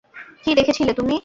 কী দেখেছিলে তুমি?